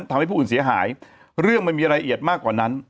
ทำให้ผู้อื่นเสียหายเรื่องมันมีรายละเอียดมากกว่านั้น